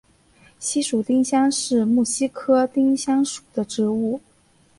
西蜀丁香是木犀科丁香属的植物。